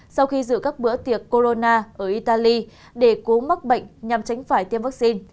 sau khi rửa các bữa tiệc corona ở italy để cố mắc bệnh nhằm tránh phải tiêm vaccine